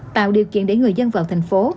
tạo điều kiện để người dân vào thành phố